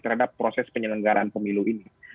terhadap proses penyelenggaraan pemilu ini